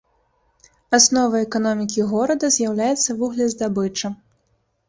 Асновай эканомікі горада з'яўляецца вуглездабыча.